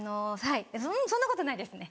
んそんなことないですね。